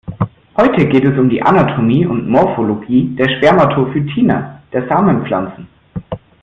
Heute geht es um die Anatomie und Morphologie der Spermatophytina, der Samenpflanzen.